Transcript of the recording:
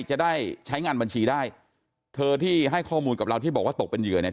จะได้ใช้งานบัญชีได้เธอที่ให้ข้อมูลกับเราที่บอกว่าตกเป็นเหยื่อเนี่ย